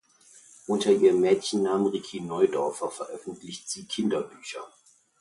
Unter ihrem Mädchennamen Riki Neudorfer veröffentlicht sie Kinderbücher.